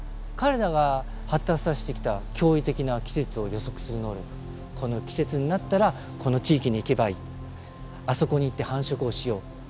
彼らが発達させてきた驚異的な季節を予測する能力この季節になったらこの地域に行けばいいあそこに行って繁殖をしよう。